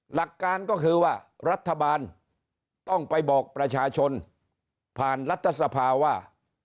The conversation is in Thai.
หลักการก็คือว่ารัฐบาลต้องไปบอกประชาชนผ่านรัฐสภาว่า